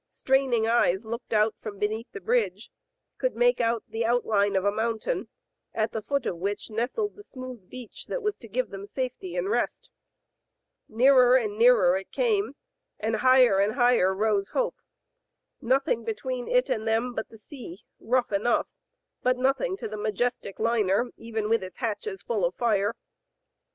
Straining eyes looking out from beneath the bridge, could make out the outline of a mountain, at the foot of which nestled the smooth beach that was to give them safety and rest. Nearer and nearer it Digitized by Google 25^ THE FATE OF FENELLA, came, and higher and higher rose hope. Nothing between it and them but the sea, rough enough, but nothing to the majestic liner, even with its hatches full of fire.